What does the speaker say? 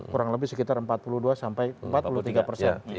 kurang lebih sekitar empat puluh dua sampai empat puluh tiga persen